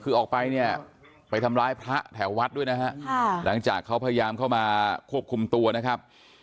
คือออกไปเนี่ยไปทำร้ายพระแถววัดด้วยนะฮะหลังจากเขาพยายามเข้ามาควบคุมตัวนะครับ